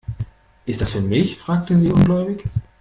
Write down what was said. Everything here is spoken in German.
"Ist das für mich?", fragte sie ungläubig.